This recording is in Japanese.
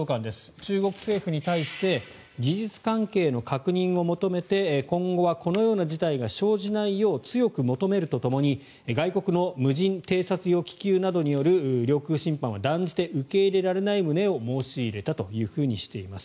中国政府に対して事実関係の確認を求めて今後はこのような事態が生じないよう強く求めるとともに外国の無人偵察用気球などによる領空侵犯は断じて受け入れられない旨を申し入れたとしています。